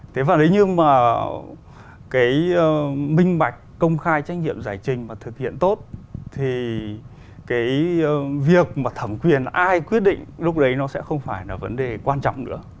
thế và nếu như mà cái minh bạch công khai trách nhiệm giải trình mà thực hiện tốt thì cái việc mà thẩm quyền ai quyết định lúc đấy nó sẽ không phải là vấn đề quan trọng nữa